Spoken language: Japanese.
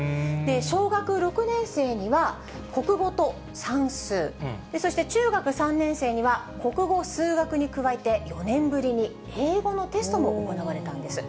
小学６年生には国語と算数、そして、中学３年生には国語、数学に加えて、４年ぶりに英語のテストも行われたんです。